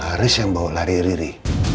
haris yang bawa lari riri